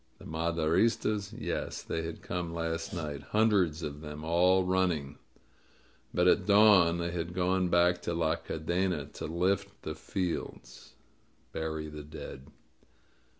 The Maderis tas? Yes, they had come last night — ^hundreds of them, all running. But at dawn they had gone back to La Cadena to *lift the fields' (bury the dead).''